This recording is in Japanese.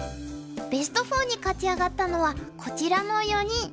ベスト４に勝ち上がったのはこちらの４人。